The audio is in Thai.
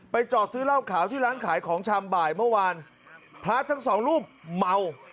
ไปจอดซื้อเล่าขาวที่ร้านขายของฉามบ่ายเมื่อวานพระหรราชทั้ง๒รูปเมา